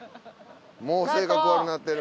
もう性格悪なってる。